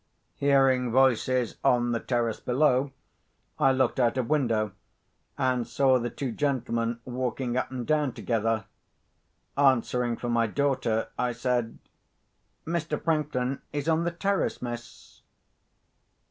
Hearing voices on the terrace below, I looked out of window, and saw the two gentlemen walking up and down together. Answering for my daughter, I said, "Mr. Franklin is on the terrace, miss."